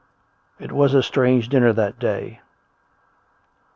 It was a strange dinner that day.